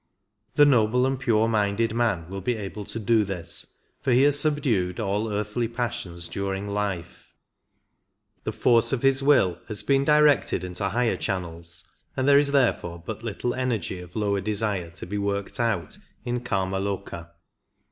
The noble and pure minded man will be able to do this, for he has subdued all earthly passions during life ; the force of his will has been directed into higher channels, and there is therefore but little energy of lower desire to be worked out in Kamaloka.